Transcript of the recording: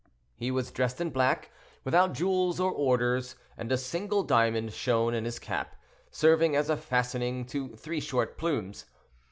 He was dressed in black, without jewels or orders, and a single diamond shone in his cap, serving as a fastening to three short plumes.